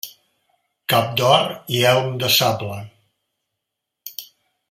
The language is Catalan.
Cap d'or i elm de sable.